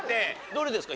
どれですか？